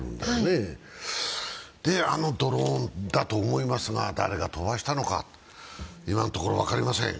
それであのドローンだと思いますが、誰が飛ばしたのか今のところ分かりません。